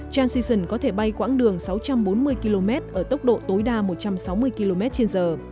transition có thể bay quãng đường sáu trăm bốn mươi km ở tốc độ tối đa một trăm sáu mươi km trên giờ